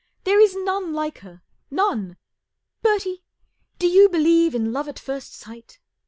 There is none like her, none. Bertie, do you believe in love at first sight